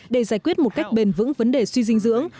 để giải quyết một cách bền vững vấn đề suy dinh dưỡng